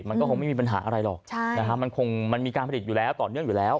มันก็คงไม่มีปัญหาอะไรหรอกมันคงมันมีการผลิตอยู่แล้วต่อเนื่องอยู่แล้ว